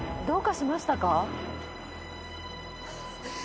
どうかしましたか？